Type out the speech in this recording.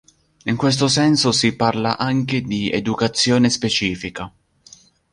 In questo senso si parla anche di "educazione specifica".